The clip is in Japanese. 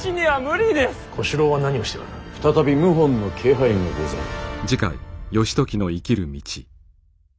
再び謀反の気配がござる。